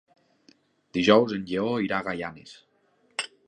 Dijous en Lleó irà a Gaianes.